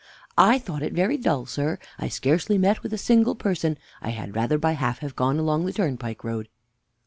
R. I thought it very dull, sir; I scarcely met with a single person. I had rather by half have gone along the turnpike road.